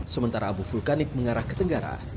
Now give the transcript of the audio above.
sementara abu vulkanik mengarah ke tenggara